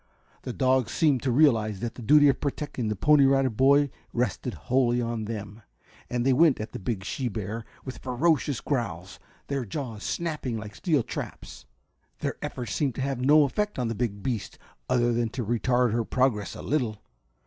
The dogs seemed to realize that the duty of protecting the Pony Rider Boy rested wholly on them, for they went at the big she bear with ferocious growls, their jaws snapping like steel traps. Their efforts seemed to have no effect on the big beast other than to retard her progress a little.